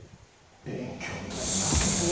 勉強になりますね。